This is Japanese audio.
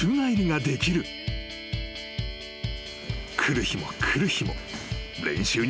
［来る日も来る日も練習に励んだ］